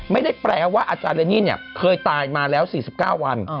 ไม่ได้แปลว่าอาจารย์เรนนี่เคยตายมาแล้ว๔๙วัน